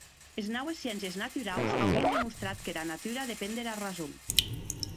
Es naues sciéncies naturaus auien demostrat qu'era natura depen dera rason.